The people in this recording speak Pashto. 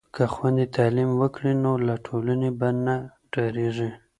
که خویندې تعلیم وکړي نو له ټولنې به نه ډاریږي.